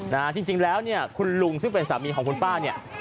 นะฮะจริงจริงแล้วเนี่ยคุณลุงซึ่งเป็นสามีของคุณป้าเนี่ย